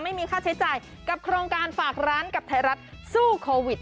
ไม่มีค่าใช้จ่ายกับโครงการฝากร้านกับไทยรัฐสู้โควิด